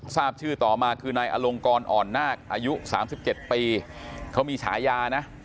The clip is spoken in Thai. ทราบชื่อต่อมาคือนายอลงกรอ่อนนาคอายุ๓๗ปีเขามีฉายานะ